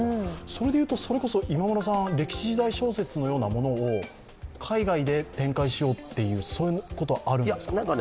それこそ今村さん、歴史・時代小説のようなものを海外で展開しようということはあるんですか？